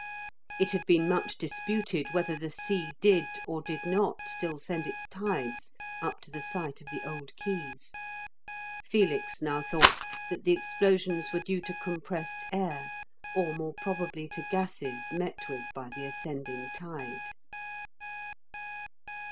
It had been much disputed whether the sea did or did not still send its tides up to the site of the old quays. Felix now thought that the explosions were due to compressed air, or more probably to gases met with by the ascending tide.